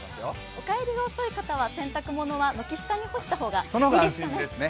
お帰りが遅い方は洗濯物を軒下に干した方が安心ですね。